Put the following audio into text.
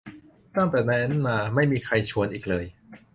ตั้งแต่นั้นมา ไม่มีใครชวนอีกเลย